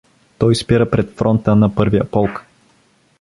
Той спира пред фронта на първия полк.